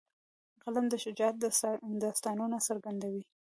قلم د شجاعت داستانونه څرګندوي